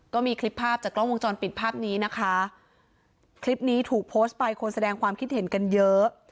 ก็มีคลิปภาพจากกล้องวงจรปิดภาพนี้นะคะคลิปนี้ถูกโพสต์ไปคนแสดงความคิดเห็นกันเยอะ